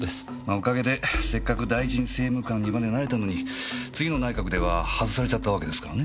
おかげでせっかく大臣政務官にまでなれたのに次の内閣では外されちゃったわけですからね。